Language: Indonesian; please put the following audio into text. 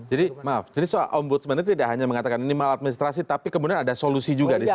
jadi maaf jadi soal ombudsman itu tidak hanya mengatakan ini mal administrasi tapi kemudian ada solusi juga disitu ya